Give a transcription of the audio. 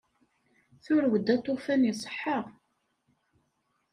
Turew-d aṭufan iṣeḥḥa.